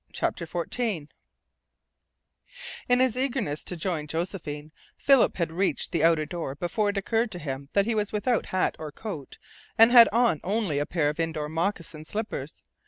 CHAPTER FOURTEEN In his eagerness to join Josephine Philip had reached the outer door before it occurred to him that he was without hat or coat and had on only a pair of indoor moccasin slippers.